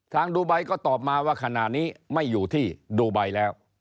ดูไบก็ตอบมาว่าขณะนี้ไม่อยู่ที่ดูไบแล้ว